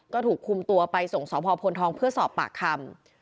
ก็ถูกคุมตัวไปส่งสพพลทองเพื่อสอบปากคำ